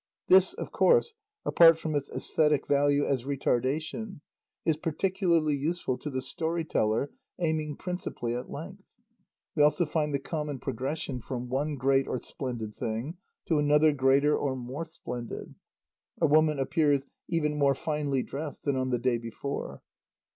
This, of course, apart from its æsthetic value as retardation, is particularly useful to the story teller aiming principally at length. We also find the common progression from one great or splendid thing to other greater or more splendid; a woman appears "even more finely dressed than on the day before."